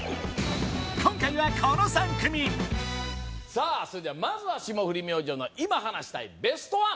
今回はこの３組さあそれではまずは霜降り明星の今話したいベストワン！